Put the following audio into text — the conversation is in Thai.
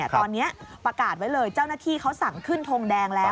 ตอนนี้ประกาศไว้เลยเจ้าหน้าที่เขาสั่งขึ้นทงแดงแล้ว